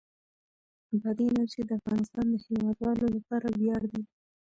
بادي انرژي د افغانستان د هیوادوالو لپاره ویاړ دی.